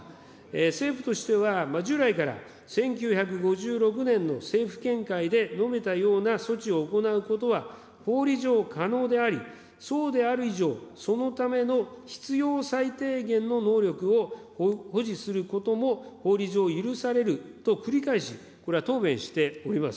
政府としては、従来から１９５６年の政府見解で述べたような措置を行うことは、法理上可能であり、そうである以上、そのための必要最低限の能力を保持することも法理上許されると、繰り返し、これは答弁しております。